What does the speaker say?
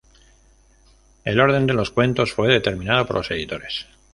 El orden de los cuentos fue determinado por los editores.